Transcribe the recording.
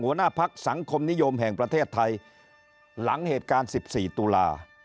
หัวหน้าพักสังคมนิยมแห่งประเทศไทยหลังเหตุการณ์๑๔ตุลา